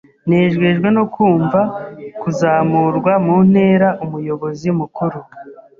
Nejejwe no kumva kuzamurwa mu ntera Umuyobozi mukuru.